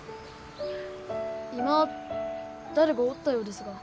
今誰かおったようですが。